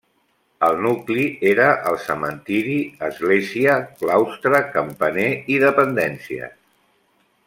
El nucli era el cementiri, església, claustre, campaner i dependències.